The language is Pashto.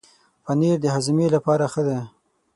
پنېر د هاضمې لپاره ښه دی.